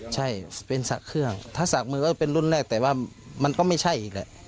ใช่เป็นสระเครื่องถ้าสระมือก็เป็นรุ่นแรกแต่ว่ามันก็ไม่ใช่อีกแหละ